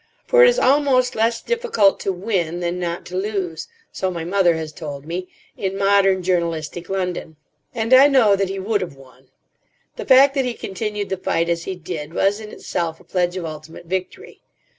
For it is almost less difficult to win than not to lose, so my mother has told me, in modern journalistic London. And I know that he would have won. The fact that he continued the fight as he did was in itself a pledge of ultimate victory.